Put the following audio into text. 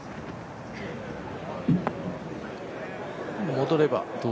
戻れば。